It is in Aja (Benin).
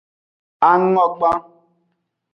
Angogban.